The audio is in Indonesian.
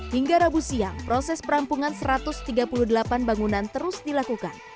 hingga rabu siang proses perampungan satu ratus tiga puluh delapan bangunan terus dilakukan